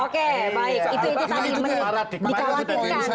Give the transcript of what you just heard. oke baik itu tadi menurut dikhawatirkan